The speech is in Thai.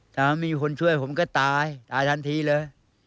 ถ้ามีคนช่วยผมก็ตายตายทันทีเลย